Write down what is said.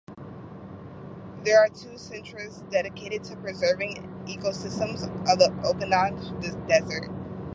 There are two centres dedicated to preserving the ecosystem of the Okanagan Desert.